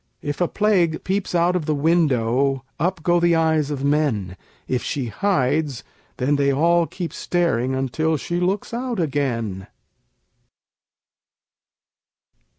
If a Plague peeps out of the window, Up go the eyes of men; If she hides, then they all keep staring Until she looks out again.